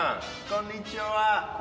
こんにちは。